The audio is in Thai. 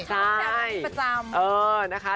ช่างแบบนั้นประจำ